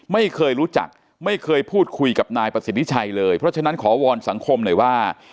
ไม่เคยรู้จักไม่เคยพูดคุยกับนายประสิทธิชัยเลยเพราะฉะนั้นขอวอนสังคมหน่อยว่า